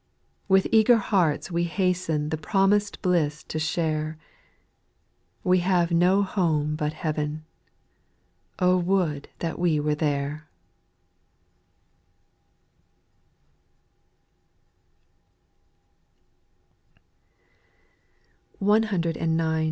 With eager hearts we hasten the promised bliss to share ; We have no home but heavea; — O would that we were there 1 j; 109.